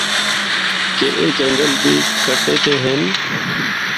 کہ اے جنگل بھی کَٹ دے ہن۔